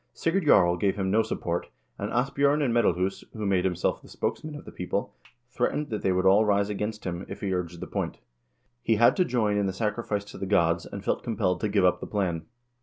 Sigurd Jarl gave him no support, and Asbj0rn of Medalhus, who made himself the spokesman of the people, threat ened that they would all rise against him, if he urged the point. He had to join in the sacrifice to the gods, and felt compelled to give up the plan.